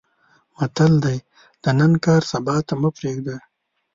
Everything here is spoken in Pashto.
متل دی: د نن کار سبا ته مه پرېږده.